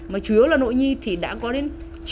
mà chủ yếu là nội nhi thì đã có đến